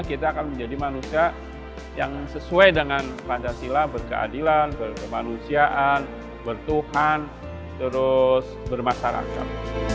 kita akan menjadi manusia yang sesuai dengan pancasila berkeadilan berkemanusiaan bertuhan terus bermasyarakat